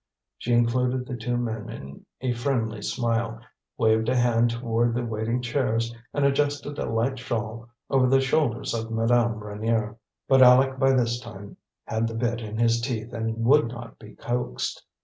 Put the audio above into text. She included the two men in a friendly smile, waved a hand toward the waiting chairs, and adjusted a light shawl over the shoulders of Madame Reynier. But Aleck by this time had the bit in his teeth and would not be coaxed.